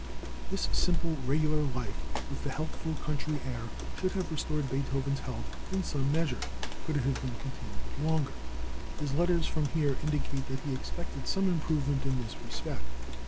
This simple, regular life, with the healthful country air, should have restored Beethoven's health in some measure could it have been continued longer. His letters from here indicate that he expected some improvement in this respect.